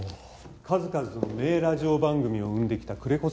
数々の名ラジオ番組を生んできた久連木